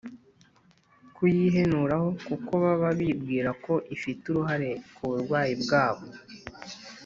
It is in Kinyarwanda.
kuyihenuraho kuko baba bibwira ko ifite uruhare ku burwayi bwabo